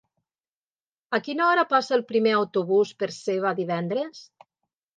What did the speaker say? A quina hora passa el primer autobús per Seva divendres?